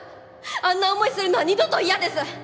あんな思いするのは二度と嫌です。